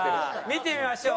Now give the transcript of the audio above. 見てみましょう。